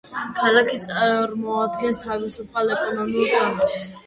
ქალაქი წარმოადგენს თავისუფალ ეკონომიკურ ზონას.